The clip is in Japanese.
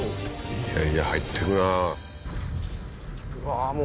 いやいや入ってくなー